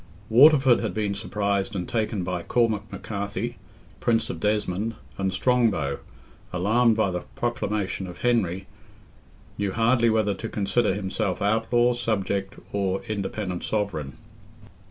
Waterford had been surprised and taken by Cormac McCarthy, Prince of Desmond, and Strongbow, alarmed by the proclamation of Henry, knew hardly whether to consider himself outlaw, subject, or independent sovereign.